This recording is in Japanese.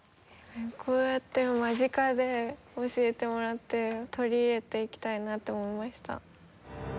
こうやって間近で教えてもらって取り入れていきたいなって思いました。